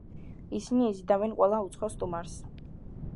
ისინი იზიდავენ ყველა უცხო სტუმარს.